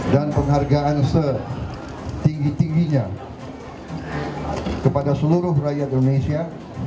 dan penghargaan setinggi tingginya kepada seluruh rakyat indonesia